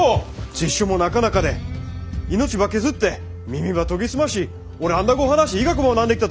辞書もなか中で命ば削って耳ば研ぎ澄ましオランダ語を話し医学も学んできたと！